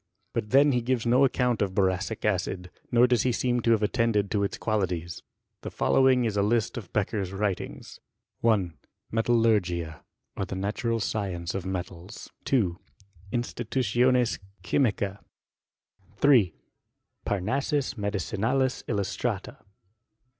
* But then he givea no account of boracic acid, nor does he seem to have attended to its qualities. The following* is a list of Beccher's writings : 1, Metallurgia, or the Natural Science of Metals. 3. Institutiones Chymicec. 3. Parnassus Medicinalis illustrata.